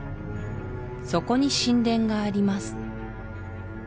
そこに神殿があります